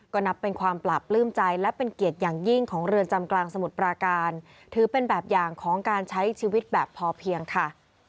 ก็นับเป็นความปราบปลื้มใจและเป็นเกียรติอย่างยิ่งของเรือนจำกลางสมุทรปราการถือเป็นแบบอย่างของการใช้ชีวิตแบบพอเพียงค่ะ